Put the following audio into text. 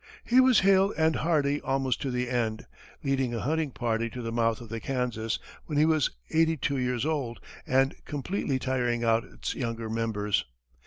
He was hale and hearty almost to the end, leading a hunting party to the mouth of the Kansas when he was eighty two years old, and completely tiring out its younger members.